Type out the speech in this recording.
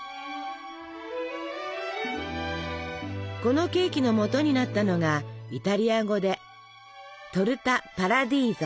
このケーキのもとになったのがイタリア語で「トルタパラディーゾ」。